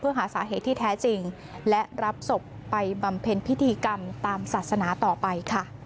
เพื่อหาสาเหตุที่แท้จริงและรับศพไปบำเพ็ญพิธีกรรมตามศาสนาต่อไปค่ะ